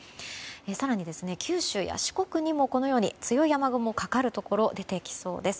更に九州や四国にも強い雨雲がかかるところ出てきそうです。